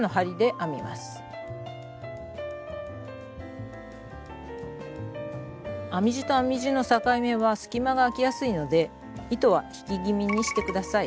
編み地と編み地の境目は隙間があきやすいので糸は引き気味にして下さい。